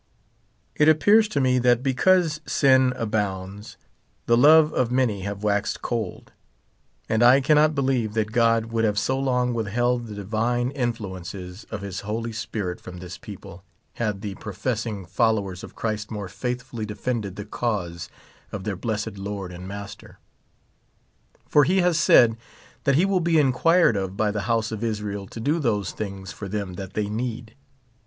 It appears to me that because sin abounds, the love of many have waxed cold ; and I cannot believe that God would have so long withheld the divine influences of his Holy spirit from this people, had the professing follow ers of Christ more faithfully defended the cause of their blessed Lord and Master ; for he has said that he will be inquired of by the house of Israel to do those things for them that they need.